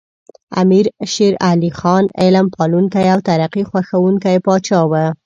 امیر شیر علی خان علم پالونکی او ترقي خوښوونکی پاچا و.